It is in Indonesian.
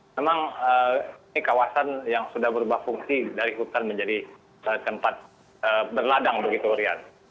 memang ini kawasan yang sudah berubah fungsi dari hutan menjadi tempat berladang begitu rian